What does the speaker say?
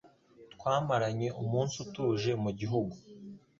Twamaranye umunsi utuje mu gihugu.